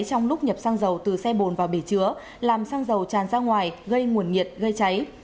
trong lúc nhập xăng dầu từ xe bồn vào bể chứa làm xăng dầu tràn ra ngoài gây nguồn nhiệt gây cháy